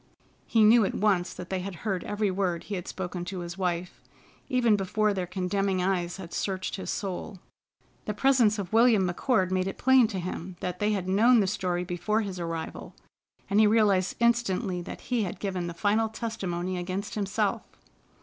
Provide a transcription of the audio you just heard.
He knew at once that they had heard every word he had spoken to his wife, even before their condemning eyes had searched his soul. The presence of William McCord made it plain to him that they had known the story before his arrival, and he realized instantly that he had given the final testimony against himself.